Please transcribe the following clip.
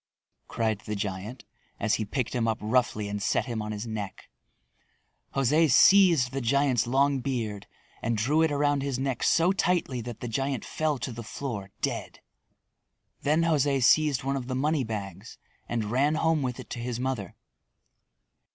cried the giant as he picked him up roughly and set him on his neck. José seized the giant's long beard and drew it around his neck so tightly that the giant fell to the floor dead. Then José seized one of the money bags and ran home with it to his mother.